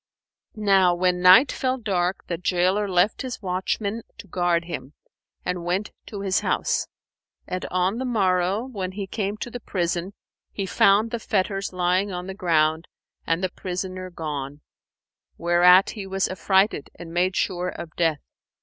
Now when night fell dark, the gaoler left his watchmen to guard him and went to his house; and on the morrow, when he came to the prison, he found the fetters lying on the ground and the prisoner gone; whereat he was affrighted and made sure of death.